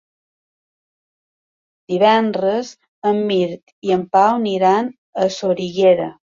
Divendres en Mirt i en Pau aniran a Soriguera.